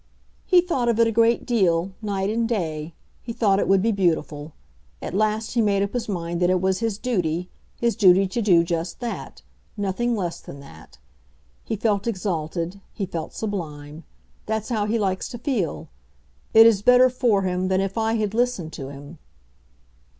"He thought of it a great deal, night and day. He thought it would be beautiful. At last he made up his mind that it was his duty, his duty to do just that—nothing less than that. He felt exalted; he felt sublime. That's how he likes to feel. It is better for him than if I had listened to him."